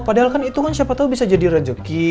padahal kan itu kan siapa tahu bisa jadi rezeki